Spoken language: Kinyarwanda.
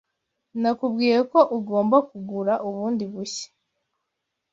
Nakubwiye ko ugomba kugura bundi bushya.